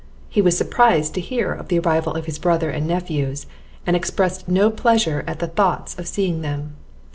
He was surprised to hear of the arrival of his brother and nephews, and expressed no pleasure at the thoughts of seeing them.